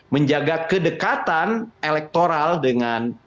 menjaga kedekatan elektoral dengan